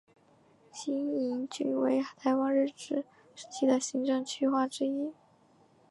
新营郡为台湾日治时期的行政区划之一。